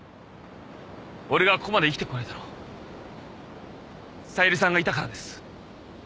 俺がここまで生きてこれたの小百合さんがいたからです。